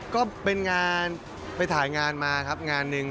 ก็เป็นงานไปถ่ายงานมาครับงานหนึ่ง